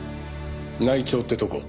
「内調ってとこ。